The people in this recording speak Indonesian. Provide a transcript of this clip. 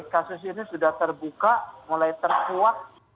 kasus ini sudah terbuka mulai terkuat